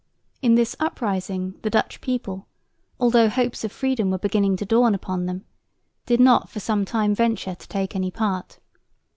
In this uprising the Dutch people, although hopes of freedom were beginning to dawn upon them, did not for some time venture to take any part.